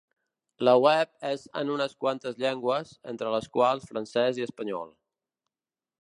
La web és en unes quantes llengües, entre les quals francès i espanyol.